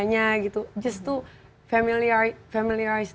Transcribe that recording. untuk memperkenalkan mereka